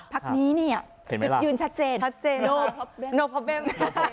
พักนี้เนี่ยยืนชัดเจน